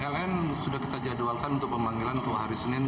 ln sudah kita jadwalkan untuk pemanggilan tua hari senin